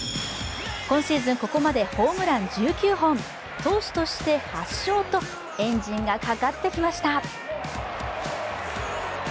今シーズン、ここまでホームラン１９本、投手として８勝とエンジンがかかってきました。